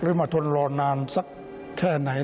มาทนรอนานสักแค่ไหน